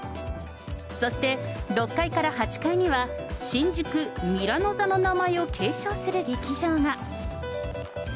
そして６階から８階には、新宿ミラノ座の名前を継承する劇場が。